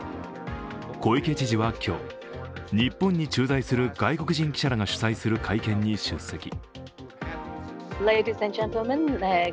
小池知事は今日、日本に駐在する外国人記者らが主催する会見に出席。